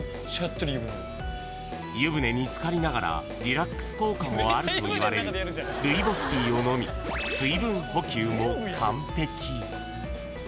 ［湯船に漬かりながらリラックス効果もあるといわれるルイボスティーを飲み水分補給も完璧］